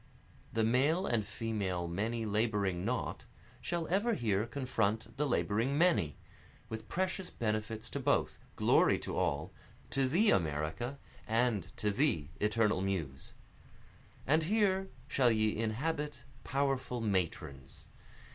The male and female many laboring not, Shall ever here confront the laboring many, With precious benefits to both, glory to all, To thee America, and thee eternal Muse. And here shall ye inhabit powerful Matrons!